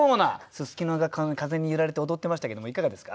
すすきが風に揺られて踊ってましたけどもいかがですか？